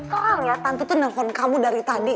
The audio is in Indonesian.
soalnya tante tuh nelfon kamu dari tadi